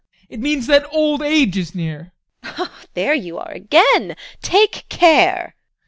It means that old age is near. TEKLA. There you are again! Take care!